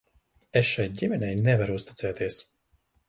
Es šai ģimenei nevaru uzticēties.